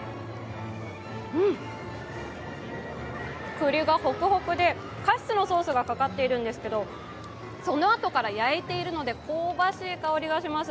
くりがホクホクで、カシスのソースがかかっているんですけど、そのあとから焼いているので香ばしい香りがします。